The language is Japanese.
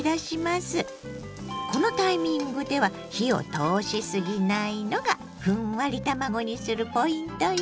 このタイミングでは火を通しすぎないのがふんわり卵にするポイントよ。